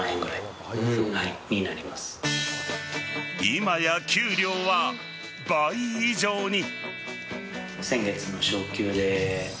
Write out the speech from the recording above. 今や給料は倍以上に。